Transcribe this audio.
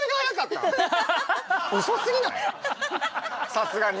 さすがに。